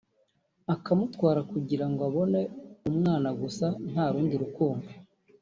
akamutwara kugira ngo abone umwana gusa nta rundi rukundo